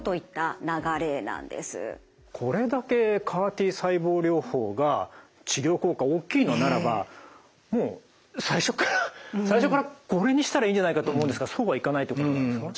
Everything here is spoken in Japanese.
これだけＣＡＲ−Ｔ細胞療法が治療効果大きいのならば最初からこれにしたらいいんじゃないかと思うんですがそうはいかないところなんですか？